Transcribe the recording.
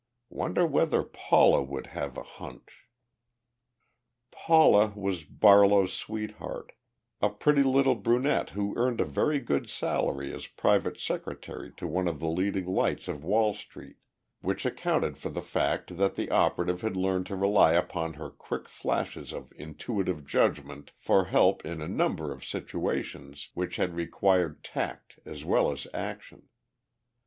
Wonder whether Paula would have a hunch " Paula was Barlow's sweetheart, a pretty little brunette who earned a very good salary as private secretary to one of the leading lights of Wall Street which accounted for the fact that the operative had learned to rely upon her quick flashes of intuitive judgment for help in a number of situations which had required tact as well as action.